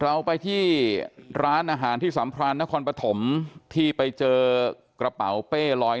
เราไปที่ร้านอาหารที่สัมพรานนครปฐมที่ไปเจอกระเป๋าเป้ลอย